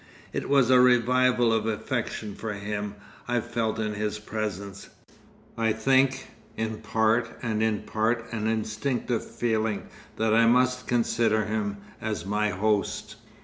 It was a revival of affection for him I felt in his presence, I think, in part, and in part an instinctive feeling that I must consider him as my host.